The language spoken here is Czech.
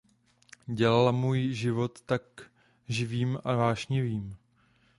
Dělala můj život tak živým a vášnivým.